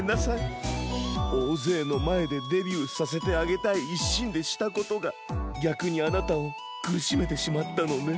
おおぜいのまえでデビューさせてあげたいいっしんでしたことがぎゃくにあなたをくるしめてしまったのね。